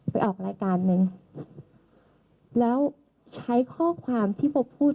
ไปออกรายการนึงแล้วใช้ข้อความที่โบพูด